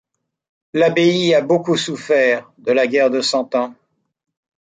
L'abbaye a beaucoup souffert de la guerre de Cent Ans.